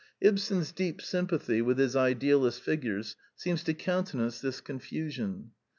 Ibsen's deep sympathy with his idealist figures seems to countenance this confusion.